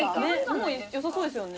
もうよさそうですよね。